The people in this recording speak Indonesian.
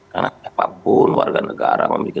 karena apapun warga negara memiliki